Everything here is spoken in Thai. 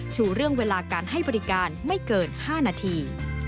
ชูเรื่องเวลาการให้บริการไม่เกิน๕นาที